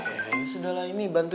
eh sudah lah ini